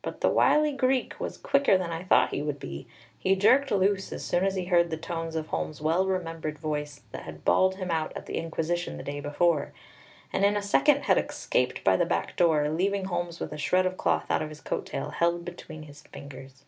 But the wily Greek was quicker than I thought he would be; he jerked loose as soon as he heard the tones of Holmes's well remembered voice that had bawled him out at the inquisition the day before, and in a second had escaped by the back door, leaving Holmes with a shred of cloth out of his coat tail held between his fingers.